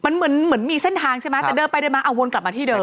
มันเหมือนเหมือนมีเส้นทางใช่ไหมแต่เดินไปเดินมาเอาวนกลับมาที่เดิ